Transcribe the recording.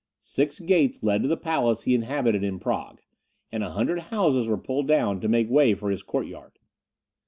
Six gates led to the palace he inhabited in Prague, and a hundred houses were pulled down to make way for his courtyard.